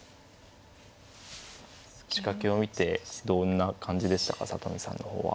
仕掛けを見てどんな感じでしたか里見さんの方は。